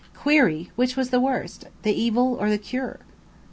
Query, which was the worst, the evil or the cure?